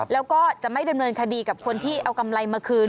แล้วก็จะไม่ดำเนินคดีกับคนที่เอากำไรมาคืน